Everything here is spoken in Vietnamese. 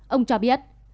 ông cho biết